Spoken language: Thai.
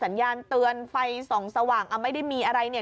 สัญญาณเตือนไฟส่องสว่างอ่ะไม่ได้มีอะไรเนี่ย